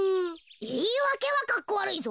いいわけはかっこわるいぞ。